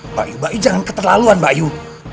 mbak yu mbak yu jangan keterlaluan mbak yu